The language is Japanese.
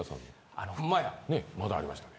まだありましたね。